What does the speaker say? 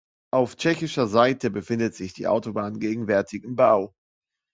Auf tschechischer Seite befindet sich die Autobahn gegenwärtig im Bau.